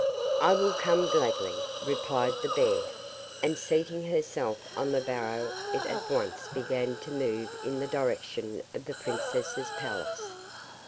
'I will come gladly,' replied the bear; and seating herself on the barrow it at once began to move in the direction of the prince's palace.